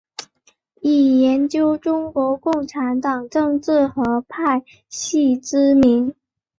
以研究中国共产党政治和派系知名。